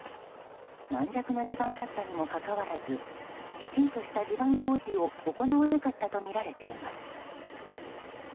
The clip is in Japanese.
軟弱な地盤だったにもかかわらずきちんとした地盤工事を行わなかったとみられています。